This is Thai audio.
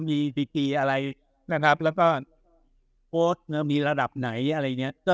มีดีกีอะไรนะครับแล้วก็โพสต์มีระดับไหนอะไรอย่างเงี้ย